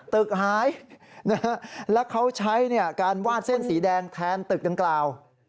ตึกหายแล้วเขาใช้การวาดเส้นสีแดงแทนตึกดังกล่าว